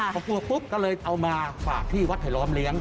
พอกลัวปุ๊บก็เลยเอามาฝากที่วัดไผลล้อมเลี้ยง